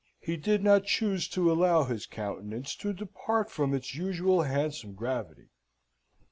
He did not choose to allow his countenance to depart from its usual handsome gravity.